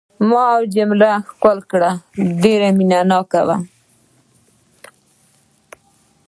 ما او جميله ښکل کړل، ډېر مینه ناک وو.